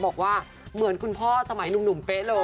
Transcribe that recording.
บอกว่าเหมือนคุณพ่อสมัยหนุ่มเป๊ะเลย